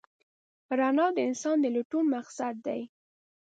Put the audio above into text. رڼا د انسان د لټون مقصد دی.